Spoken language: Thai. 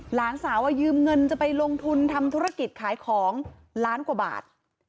หลานสาวยืมเงินจะไปลงทุนทำธุรกิจขายของล้านกว่าบาท